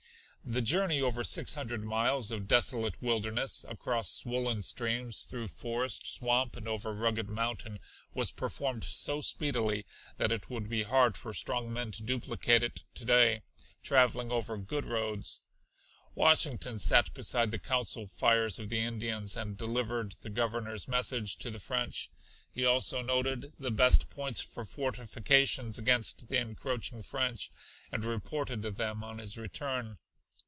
The journey over six hundred miles of desolate wilderness, across swollen streams, through forest, swamp and over rugged mountain, was performed so speedily that it would be hard for strong men to duplicate it to day, traveling over good roads. Washington sat beside the council fires of the Indians, and delivered the Governor's message to the French. He also noted the best points for fortifications against the encroaching French, and reported them on his return.